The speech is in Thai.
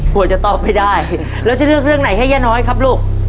กลัวจะตอบไม่ได้แล้วจะเลือกเรื่องไหนให้ย่าน้อยครับลูก